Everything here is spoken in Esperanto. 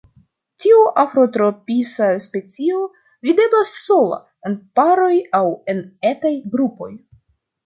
Tiu afrotropisa specio videblas sola, en paroj aŭ en etaj grupoj.